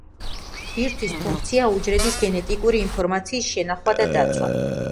ბირთვის ფუნქციაა უჯრედის გენეტიკური ინფორმაციის შენახვა და დაცვა.